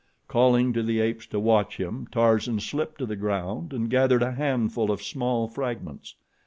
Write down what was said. Calling to the apes to watch him, Tarzan slipped to the ground and gathered a handful of small fragments.